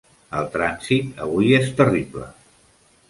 El tràfic avui és terrible.